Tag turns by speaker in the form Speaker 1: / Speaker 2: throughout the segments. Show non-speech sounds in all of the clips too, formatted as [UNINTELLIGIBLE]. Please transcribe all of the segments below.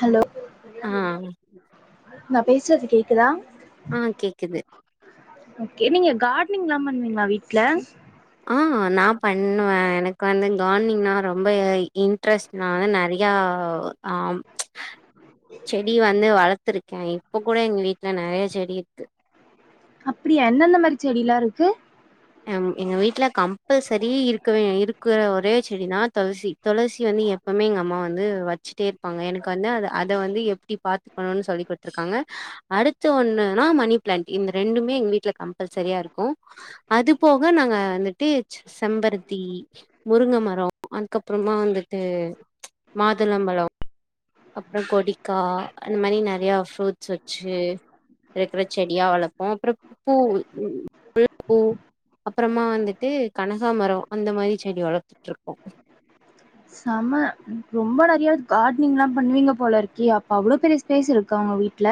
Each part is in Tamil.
Speaker 1: ஹலோ
Speaker 2: ஆ
Speaker 1: நா பேசுறது கேக்குதா
Speaker 2: ஆ கேக்குது
Speaker 1: ஓகே நீங்க கார்னிங் இல்லாம இருந்தீங்களா வீட்ல
Speaker 2: ஆ நா பண்ணுவ எனக்கு வந்து கார்ட்னிங்னா ரொம்ப இன்ட்ரெஸ் நா வந்து நறையா ஆ செடி வந்து வளர்த்துருக்கே இப்ப கூட எங்க வீட்ல நெறைய செடி
Speaker 1: அப்டியா என்னந்தந்த மாரி செடிலா இருக்கு
Speaker 2: எம் எங்க வீட்டுல கம்பல்சரி இருக்கவே இருக்குற ஒரே செடினா துளசி துளசி வந்து எ ப்பவுமே எங்க அம்மா வந்து வச்சுட்டே இருப்பாங்க எனக்கு வந்து அத வந்து எப்டி பாத்துக்கணுனு சொல்லி் குடுத்திருக்காங்க அடுத்து ஒன்னுன்னா மணி பிளான்ட்டு இந்த ரெண்டுமே எங்க வீட்டுல கம்பல்சரியா இருக்கு அது போக நாங்க வந்துட்டு செ செம்பருத்தி முருங்க மரோ அதுக்கப்புறமா வந்துட்டு மாதுளம்பழோ அப்றோ கொடிக்கா இந்தமாரி நெறையா ஃப்ரூட் ஸு வச்சு இருக்குற செடியா வளர்ப்போ அப்புறோ பூவு [UNINTELLIGIBLE] அப்றமா வந்துட்டு கனகாம்பரோ அந்த மாரி செடி வளத்துட்ருக்கோ
Speaker 1: செம ரொம்ப நெறையா கார்ட்னிங்லா பண்ணுவீங்க போலருக்கே அப்ப அவ்ளோ பெரிய ஸ்பேஸ் இருக்கா ஒங்க வீட்டில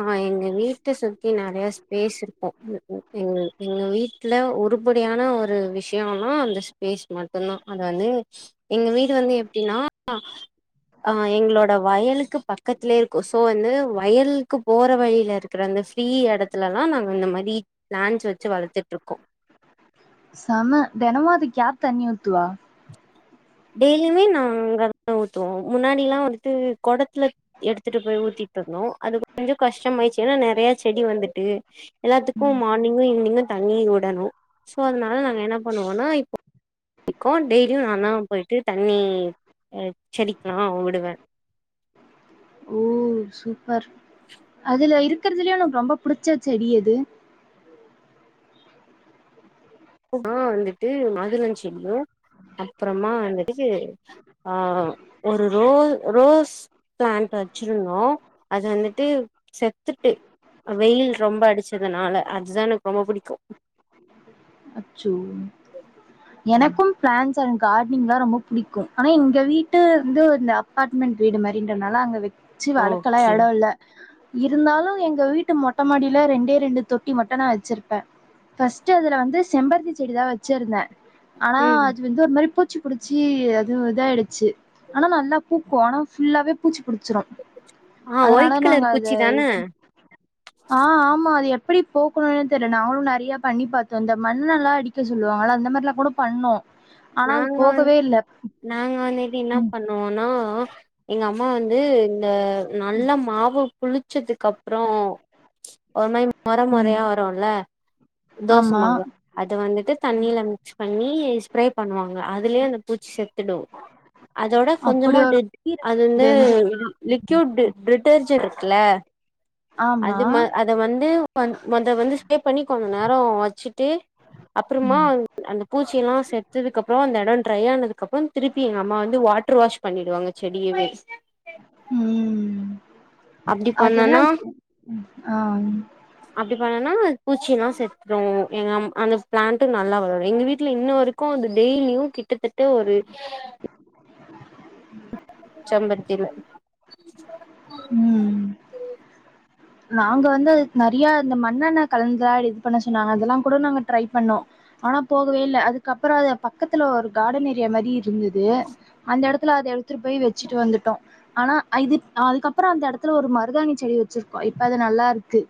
Speaker 2: ஆ எங்க வீட்ட சுத்தி நெறையா ஸ்பேஸ் இருக்கு எங் எங்க வீட்டுல ஒரு உருப்படியான ஒரு விஷி [UNINTELLIGIBLE] அந்த ஸ்பேஸ் மட்டுந்தா அத வந்து எங்க வீடு வந்து எப்டின்னா அவ எங்களோட வயலுக்கு பக்கத்லயே இருக்கு ஸோ வந்து வயல் க்கு போற வழியில இருக்கிற அந்த ஃப்ரீ எடத்துளதா நாங்க இந்த மாரி ப்ளான்ட்ஸ் வச்சு வளத்துட்டு இருக்கோ
Speaker 1: சம தெனமு அதுக்கு யாரு தண்ணி ஊத்துவா
Speaker 2: டெய்லியுமே நாங்கதா ஊத்துவோ முன்னாடில்லா வந்துட்டு கொடத்துல எடுத்துட்டு போய் ஊத்திட்டு இருந்தோ அது கொஞ்சோ கஷ்டமாயிட்ச்சு ஏன்னா நெறையா செடி வந்துட்டு எல்லாத்துக்கு மானிங்கு ஈவ்னிங்கு தண்ணி வுடணு சோ அதனால நாங்க என்ன பண்ணுவோனா இப்ப இக்கோ டெய்லியு நாந்தா போய்ட்டு தண்ணி ஆ செடிக்குல்லா விடுவ
Speaker 1: ஓ சூப்பர் அதுல இருக்கறதுலயே ஒனக்கு ரொம்ப புடிச்ச செடி எது
Speaker 2: மா வந்துட்டு மாதுளஞ் செடியு அப்றமா வந்துட்டு ஆ ஒரு ரோ ரோஸ் பிளான்ட் வச்சிருந்தோ அது வந்துட்டு செத்துட்டு வெயில் ரொம்ப அடிச்சதுனால அதுதா எனக்கு ரொம்ப புடிக்கு
Speaker 1: அச்சோ எனக்கு பிளான்ட்ஸ் அன்ட் கார்ட்னிங்லா ரொம்ப புடிக்கும் ஆனா எங்க வீட்டு வந்து அபார்ட்மெண்ட் வீடு மாரின்றனால அங்க வச்சு வளக்கலா
Speaker 2: ஓகே
Speaker 1: எடோ இல்ல இருந்தாலு எங்க வீட்டு மொட்டைமாடியில ரெண்டே ரெண்டு தொட்டி மட்டு நா வச்சிருப்பே பஸ்ட்டு அதுல வந்து செம்பருத்தி செடிதா வச்சிருந்தே ஆனா
Speaker 2: ம்
Speaker 1: அது வந்து அது ஒரு மாதிரி பூச்சி புடிச்சி அதுவு இதாயிடுச்சு ஆனா நல்லா பூக்கு ஆனா ஃபுல்லாவே பூச்சி புடிச்சிரு
Speaker 2: ஆ
Speaker 1: அதனால
Speaker 2: ஒயிட்
Speaker 1: நாங்க
Speaker 2: கலர்
Speaker 1: அத
Speaker 2: பூச்சி தான
Speaker 1: ஆ ஆமா அது எப்படி போக்கணும்னு தெரியள நாங்களு நெறைய பண்ணி பாத்தோ இந்த மண்ணல்லா அடிக்க சொல்லுவாங்கள அந்த மார்லா கூட பண்ணோ ஆனா அது
Speaker 2: நாங்களு வந்து
Speaker 1: போகவே இல்ல
Speaker 2: நாங்க வந்துகிட்டு என்னா
Speaker 1: ம்
Speaker 2: பண்வோணோனா எங்க அம்மா வந்து இந்த நல்லா மாவு புளிச்சதுக்கப்பறோ ஒரு மாரி நொறை
Speaker 1: ம்
Speaker 2: நொறையா வரும்ல
Speaker 1: ஆமா
Speaker 2: தோசைமாவுல அது வந்துட்டு தண்ணியில மிக்ஸ் பண்ணி ஸ்ப்ரே பண்ணுவாங்க அதுலயே அந்த பூச்சி செத்துடு அதோட
Speaker 1: அப்டி
Speaker 2: கொஞ்சமா
Speaker 1: ஒரு
Speaker 2: டெட்
Speaker 1: வழி
Speaker 2: அது
Speaker 1: இருக்கு
Speaker 2: வந்து
Speaker 1: தெரிஞ்ச
Speaker 2: லிக்யூட் டிட் டிட்டர்ஜென்ட் இருக்குல்ல
Speaker 1: ஆமா
Speaker 2: அது அத வந்து வந் வந்து ஸ்ப்ரே பண்ணி கொஞ்ச நேரோ வச்சுட்டு அப்றமா
Speaker 1: ம்
Speaker 2: அந்த பூச்சில்லா செ த்ததுக்கு அப்பறோ அந்த எடோ ட்ரை ஆனதுக்கு அப்றோ திருப்பி எங்க அம்மா வந்து வாட்டர் வாஷ் பண்ணிடுவாங்க செடியவே
Speaker 1: ம்
Speaker 2: அப்டி
Speaker 1: அதன
Speaker 2: பண்ணனா
Speaker 1: ம் ஆம்
Speaker 2: அப்டி பண்ணனாண பூச்சி எல்லா செத்துரு எங்க அம் அந்த பிளான்ட்ட நல்லா வளரு எங்க வீட்ல இன்னு இருக் கு அது டெய்லியு கிட்டத்தட்ட ஒரு
Speaker 1: [INAUDIBLE]
Speaker 2: செம்பருத்தில
Speaker 1: ம் நாங்க வந்து நெறையா இந்த மண்ணெண்ண கலந்துலா இது பண்ண சொன்னாங்க அதெல்லா கூட நாங்க ட்ரை பண்ணோ ஆனா போகவே இல்ல அதுக்கப்பறோ அது பக்கத்துல ஒரு கார்டன் ஏரியா மாரி இருந்தது அந்த எடத்துல அத எடுத்துட்டு போய் வச்சுட்டு வந்துட்டோ ஆனா இது அதுக்கப்பறோ அந்த எடத்துல ஒரு மருதாணி செடி வச்சிருக் கோ இப்ப அது நல்லா இருக்கு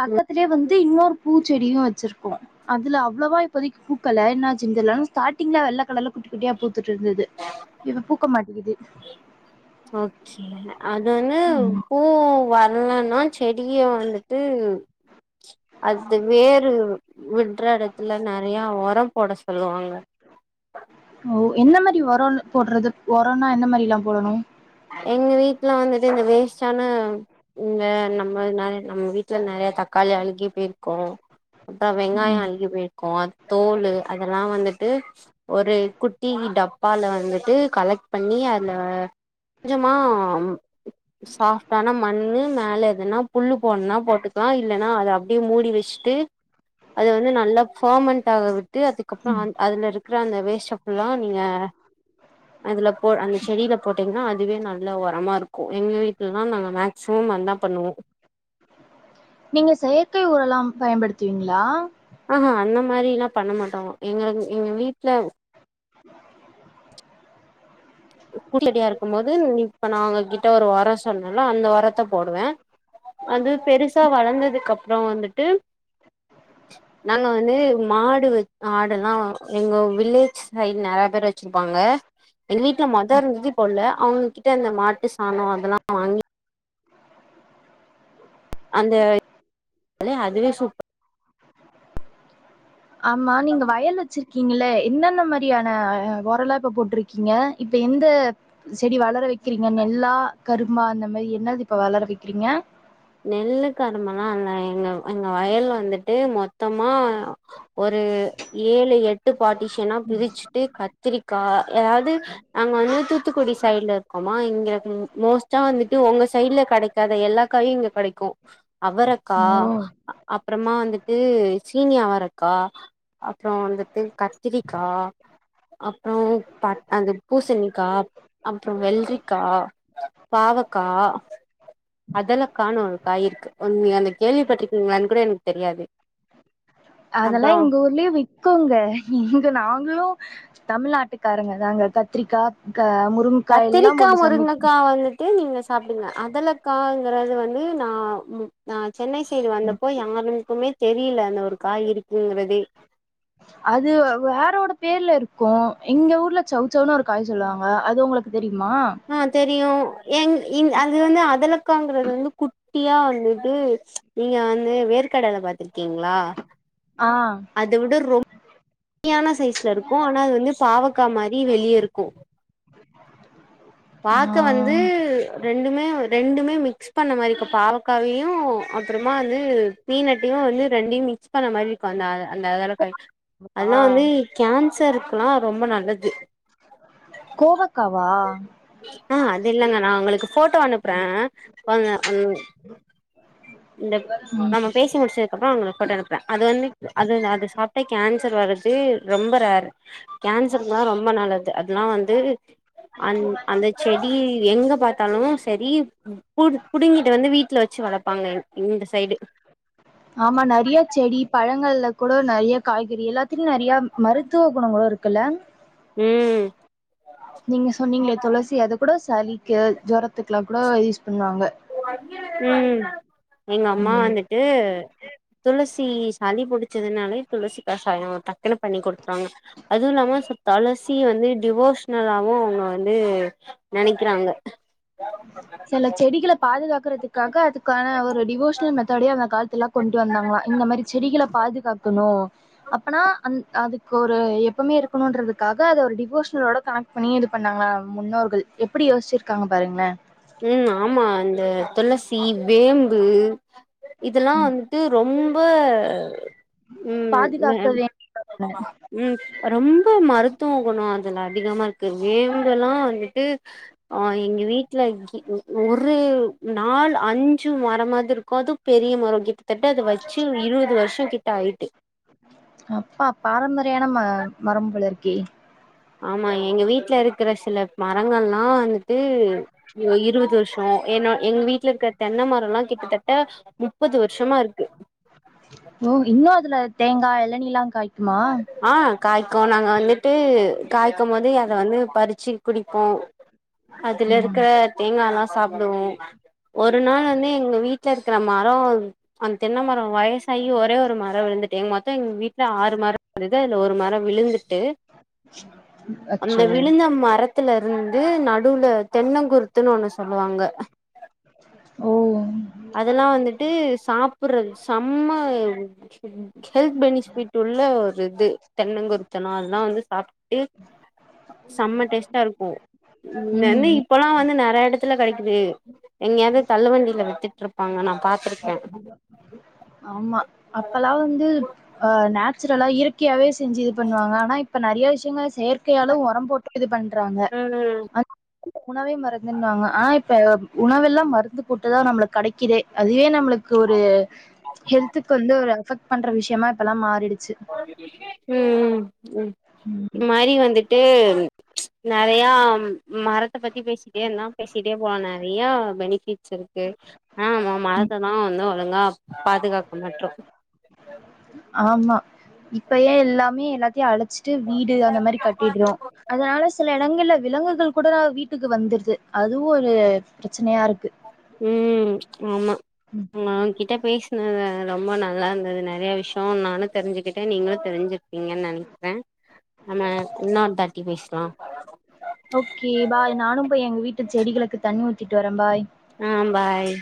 Speaker 1: பக்கத்திலயே வந்து இன்னொரு பூச்செடியு வச்சிருக்கோ அதுல அவ்ளோவா இப்போதைக்கு பூக்கல என்னாச்சுன் தெர்ல ஆனா ஸ்டார்டிங்ல வெள்ள கலர்ல குட்டி குட்டியா பூத்துட்டுருந்துது
Speaker 2: ஓகே அது வந்து
Speaker 1: ம்
Speaker 2: பூ வர்லன்னா செடிய வந்துட்டு அது வேர் வுட்ற எடத்துல நெறைய ஒரம் போட சொல்லுவாங்க
Speaker 1: ஓ என்ன மாரி ஒரோ போடுறது ஒரோனா எந்த மாரி எல்லா போடணு
Speaker 2: எங்க வீட்ல வந்துட்டு இந்த வேஸ்டான இங்க நம்ம நெறைய நம்ம வீட்ல நெறய தக்காளி அழுகி போயிருக்கு அப்றோ வெங்காயோ
Speaker 1: ம்
Speaker 2: அழுகி போயிருக்கு தோல் அதெல்லா வந்துட்டு ஒரு குட்டி டப்பால வந்துட்டு கலெக்ட் பண்ணி அதுல கொஞ்சமா சாஃப்ட்டான மண் மேலே எதுனா புல் போணுனா போட்டு கனு இல்லன்னா அத அப்டியே மூடி வச்சுட்டு அத வந்து நல்லா ஃபார்மண்ட் ஆக விட்டு அதுக்கப்றோ அ அதுல இருக்கிற அந்த வேஸ்ட்டப் இப்டில்லா நீங்க அதுல போ அந்த செடில போட்டீங்கன்னா அதுவே நல்ல உரமா இருக்கும் எங்க வீட்லலா நாங்க மேக்சிமம் அதா பண்ணுவோ
Speaker 1: நீங்க செயற்கை ஒரல்லா பயன்படுத்துவீங்ளா
Speaker 2: ஆ ஹா அந்த மாரில்லா பண்ண மாட்டோ எங்க எங்க வீட்ல [UNINTELLIGIBLE] இருக்கு போது இப்ப நா உங்க கிட்ட ஒரு ஒரோ சொன்னேல அந்த ஒரத்த போடுவே அது பெருசா வளந்ததுக்கு அப்றோ வந்துட்டு நாங்க வந்து மாடு ஆடெல்லா எங்க வில்லேஜ் கள் நெறைய பேர் வச்சிருப்பாங்க ட்ட மொதோ இருந்தது இப்போ இல்ல அவங்ககிட்ட இந்த மாட்டு சாணொ அதெல்லா வாங்கி அந்த [INAUDIBLE] அதுவே சூப்பர்
Speaker 1: ஆமா நீங்க வயல் வச்சிருக் கீங்களே என்னென்ன மாரியான ஒரல்லா இப்போ போட்டிருக்கீங்க இப்ப எந்த செடி வளர வைக்கிறீங்க நெல்லா கரும்பா அந்த மாரி என்னது இப்ப வளர வைக்கிறீங்க
Speaker 2: நெல்லு கருமல்லா இல்ல எங்க எங்க வயல் வந்துட்டு மொத் தமா ஒரு ஏழு எட்டு பார்டிஷனா பிரிச்சுட்டு கத் த்திரிக்கா எதாவ்து நாங்க வந்து தூத்துக்குடி சைடுல இருக்கோமா இங்க மோஸ்ட்டா வந்துட்டு உங்க சைடு்ல கெடைக் காத எல்லா காயு இங்க கெடைக்கு அவரக்கா
Speaker 1: ஓ!
Speaker 2: அப்றமா வந்துட்டு சீனி அவரக்கா அப்றோ வந்துட்டு கத்திரிக்கா அப்புறம் ப அது பூசணிக்கா அப்புறோம் வெள்ளரிக்கா பாவக்கா அதல காணோ ஒரு காய் இருக்கு நீங்க அத கேள்வி பட்றிகீங்களான்னு கூட எனக்கு தெரியாது அப்றோ
Speaker 1: அதெல்லாம் எங்க ஊர்லயே விக்கோங்க இங்க நாங்களும் தமிழ்நாட்டுக்காரங்க தாங்க கத்ரிக்கா முருங்க
Speaker 2: கத்திரிக்கா முருங்கக்கா வந்துட்டு விட்டு நீங்க சாப்டுங்க அதல காங்கறது வந்து நா ந சென்னை சைடு வந்தப்போ யாருனுக்குமே தெரியில அந்த ஒரு காய் இருக்குங்கிறதே
Speaker 1: அது வேறோட பேர்ல இருக்கும் எங்க ஊர்ல சௌச்சௌவுன்னு ஒரு காய் சொல்லுவாங்க அது உங்ளுக்கு தெரியுமா
Speaker 2: ஆ தெரியும் எங் இங் அது வந்து அதலக்காங்கறது வந்து குட்டியா வந்தது நீங்க வந்து வேர்கடல பாத்திருக்கீங்ளா
Speaker 1: ஆ
Speaker 2: அத வுட ரொம் குட்டியான சைஸ்ல இருக்கும் அனா அது வந்து பாவக்கா மாரி வெளிய இருக்கும்
Speaker 1: [UNINTELLIGIBLE]
Speaker 2: பாக்க வந்து ரெண்டுமே ரெண்டுமே மிக்ஸ் பண்ண மாரி இருக்கோ பாவக் காவியும் அப்புறமா வந்து பீனட்டையும் வந்து ரெண்டயும் மிக்ஸ் பண்ண மாரி இருக்கும் அந்த அந்த அதல காய்
Speaker 1: ஆ.
Speaker 2: அதெல்லாம் வந்து கேன்சருக்குலாம் ரொம்ப நல்லது
Speaker 1: கோவக்காவா
Speaker 2: ஆ அது இல்லங்க நா உங்களுக்கு போட்டோ அனுப்புறன் கொ இந்த
Speaker 1: ம்
Speaker 2: நமக்கு பேசி முடிச்சதுக்கப்புறோம் உங்ளுக்கு ஃபோட்டோ அது வந்து அது அது சாப்ட்டா கேன்சர் வரர்து ரொம்ப ரேர்ரு கேன்சர்க்குலாம் ரொம்ப நல்லது அதெல்லாம் வந்து அந் அந்த செடி செடி எங்க பாத்தாலும் செரி பு புடுங்கிட்டு வந்து வீட்ல வெச்சு வளப்பாங்க இந்த சைடு
Speaker 1: ஆமா‌ நறையா செடி பழங்கள்ல கூட நறைய காய்கறி எல்லாத்திலியும் நறையா மருத்துவ குணங்களும் இருக்குல்ல
Speaker 2: ம்
Speaker 1: நீங்க சொன்னீங்களே துளசி அத கூட சளிக்கு ஜோரத்துக்கு எல்லாம் கூட யூஸ் பண்ணுவாங்க
Speaker 2: ம் எங்க அம்மா
Speaker 1: ம்
Speaker 2: வந்துட்டு துளசி சளி புடிச்சதுனாலே துளசி கசாயோம் டக்குன்னு பண்ணி குடுப்பாங்க அதுவும் இல்லாம சுப் தொளசி வந்து டிவோஷனலாவும் அவுங்க வந்து நனைக்கிறாங்க
Speaker 1: சில செடிகள பாதுகாக்கறதுக்காக அதுக்கான ஒரு டிவோஷனல் மெத்தடே அந்த காலத்துலாம் கொண்ட்டு வந்தாங்களாம் இந்த மாரி செடிகள பாதுகாக்கணு அப்பனா அந் அதுக்கு ஒரு எப்போமே இருக்கணும்ன்றதுக்காக அது ஒரு டிவோஷனலோட கனெக்ட் பண்னி இது பண்ணாங்களா முன்னோர்கள் எப்டி யோசிச்சிருக்காங்க பாருங்களேன்
Speaker 2: ம் ஆமா இந்த துளசி வேம்பு இதெல்லாம் வந்து ட்டு ரொம்ப ம்
Speaker 1: பாதுகாக்க வே
Speaker 2: ம் ரொம்ப மருத்துவோம் குணம் அதுல அதிகமா வேம்பு எல்லாம் வந்துட்டு ஆ எங்க வீட்டு் ஒரு நால் அஞ் சு மரமாதிரி இருக்கும் அது பெரிய மரம் கிட்டத்தட்ட அத வெச்சி இருவது வருஷோம் கிட்ட ஆய்ட்டு
Speaker 1: அப்பா பாரம்பரியயான ம மரம் போல இருக்கே
Speaker 2: ஆமா எங்க வீட்ல இருக்குற சில மரங்கள்ல்லாம் வந்துட்டு யோ இருவது வருஷ என்ன எங்க வீட்ல இருக்கற தென் மரல்லா கிட்டத்தட்ட முப்பது வருஷமா இருக்கு
Speaker 1: னோ இன்னு அதுல தேங்கா எளநீல்லா காய்க்குமா
Speaker 2: ஆ காய்க்கு நாங்க வந்துட்டு காய்க்கும் போதே அத வந்து பறிச்சு குடிப்போ அதுல
Speaker 1: ம்
Speaker 2: இருக்கற தேங்கால்லா சாப்டுவோ ஒரு நாள் வந்து எங்க வீட்ல இருக்கிற மரோ அந்த தென்ன மரோ வயசா சாயி ஒரே ஒரு மரோ விழுந்துட்டு மொத்தோ எங்க வீட்ல ஆறு மர இருந்துது அதுல ஒரு மர விழுந்துட்டு
Speaker 1: அச்சோ
Speaker 2: அந்த மரத் துல இருந்து நடுவுல தென்ன குறுத்துன்னு ஒன்னு சொல்லுவாங்க
Speaker 1: ஓ ம்
Speaker 2: அதெல்லா வந்துட்டு சாப் புறது செம்ம ஹெல்த் பெனிஃபிட் உள்ள ஒரு இது தென்னங்குருத்துன்னா அதெல்லா வந்து சாப்ட்டுட்டு செம்ம டேஸ்ட்டா இருக்கு ம் வந்து இப்பல்லா வந்து நெறைய எடத்துல கெடைக்குது எங்கயாது தள்ளுவண்டியில வித்துட்டு்ருப்பாங்க நா பாத்துருக்கே
Speaker 1: ஆமா அப்பல்லா வந்து ஆ நேச்சுரலா இயற்கையாவே செஞ்சு இது பண்ணுவாங்க ஆனா இப்ப நெறைய விஷயங்கள செயற்கையாலு ஒரம் போட்டு இது பண்றாங்க அந் உணவே மருந்துன்னுவாங்க ஆனா இப்ப உணவெல்லா மருந்து போட்டுதா நம்பளுக்கு கெடைக்குதே அதுவே நம்மளுக்கு ஒரு ஹெல்த்துக்கு வந்து ஒரு அஃபெக்ட் பண்ற விஷயமா இப்பல்லா மாறிடுச்சு
Speaker 2: ம் ம் ம்
Speaker 1: ம்
Speaker 2: இது மாரி வந்துட்டு நெறையா மரத்த பத்தி பேசிட்டே இருந்தா பேசிட்டே போலா நெறையா பெனிஃபிட்ஸ் இருக்கு ஆனா நம்ம மரத்த தா வந்து ஒழுங்கா பாதுகாக்க மாட்றோ
Speaker 1: ஆமா இப்பையே எல்லாமே எல்லாத்தையு அழு ச்சிட்டு வீடு அந்த மாரி கட்டிட்றோ அதனால சில எடங்கள்ல விலங்குகள் கூட வீட்டுக்கு வந்துருது அதுவு ஒரு பிரச்சனையா இருக்கு
Speaker 2: ம் ஆமா நா உங்கிட்ட பேசுனது ரொம்ப நல்லா இருந்தது நெறைய விஷய நானு தெரிஞ்சுக்கிட்ட நீங்களு தெரிஞ்சி க்கிட்டிங்கனு நெனைக்கிறே நம்ம இன்னோருதாட்டி பேசலா
Speaker 1: ஓகே பாய் நானும் போய் எங்க வீட்டு செடிகளுக்கு தண்ணி ஊத்திட்டு வர பாய்
Speaker 2: ஆ பாய்